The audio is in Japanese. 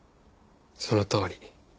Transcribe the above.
そのとおり。